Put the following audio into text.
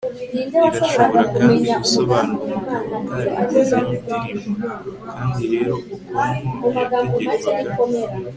irashobora kandi gusobanura umugabo utarigeze yitirirwa. kandi rero okonkwo yategekwaga